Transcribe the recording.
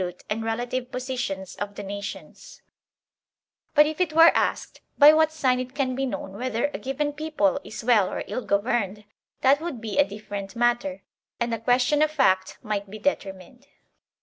THE MARKS OP A GOOD GOVERNMENT 75 But if it were asked by what sign it can be known whether a given people is well or ill governed, that would be a different matter, and the question of fact might be determined.